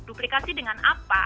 duplikasi dengan apa